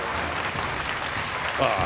ああ。